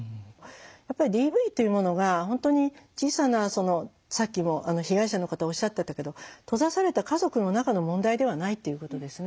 やっぱりＤＶというものが本当に小さなさっきも被害者の方おっしゃってたけど閉ざされた家族の中の問題ではないっていうことですね。